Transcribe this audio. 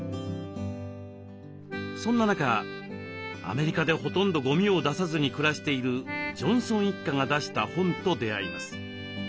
そんな中アメリカでほとんどゴミを出さずに暮らしているジョンソン一家が出した本と出会います。